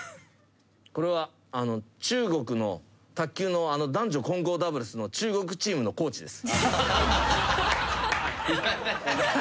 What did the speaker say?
これは中国の卓球の男女混合ダブルスの中国チームのコーチです